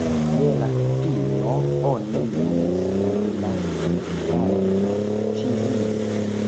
Je la fino, oni nomis lin la "Gandhi de Sicilio".